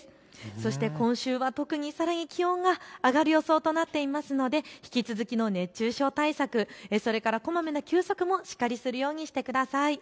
そして今週は特に、さらに気温が上がる予想となっていますので引き続きの熱中症対策、それからこまめな休息もしっかりするようにしてください。